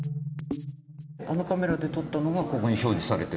あのカメラで撮ったのがここに表示されてる？